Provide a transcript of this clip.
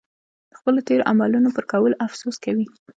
د خپلو تېرو اعمالو پر کولو افسوس کوي.